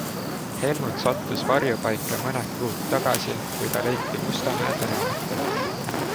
Helmut sattus varjupaika mõned kuud tagasi, kui ta leiti Mustamäe tänavatelt.